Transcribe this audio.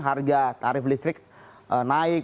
harga tarif listrik naik